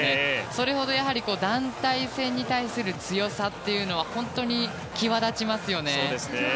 それほど団体戦に対する強さが本当に際立ちますよね。